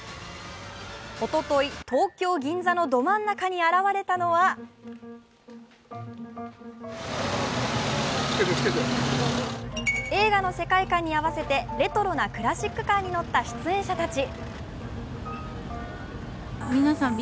おととい、東京・銀座のど真ん中に現れたのは映画の世界観に合わせてレトロなクラシックカーに乗った出演者たち。